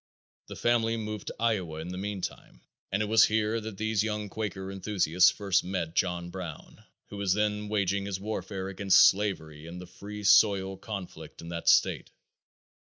The family moved to Iowa in the meantime and it was here that these young Quaker enthusiasts first met John Brown, who was then waging his warfare against slavery in the free soil conflict in that state.